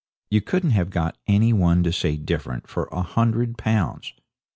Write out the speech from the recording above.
You couldn't have got any one to say different for a hundred pounds.